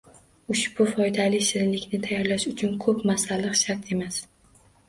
Ushbu foydali shirinlikni tayyorlash uchun ko‘p masalliq shart emas